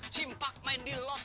simpak main di lot